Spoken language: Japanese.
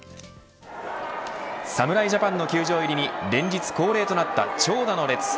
侍ジャパンの球場入りに連日恒例となった長蛇の列。